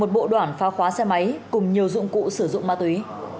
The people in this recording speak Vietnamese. một bộ đoạn phá khóa xe máy cùng nhiều dụng cụ sử dụng ma túy